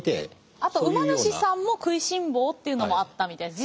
あとは馬主さんも食いしん坊というのもあったみたいです。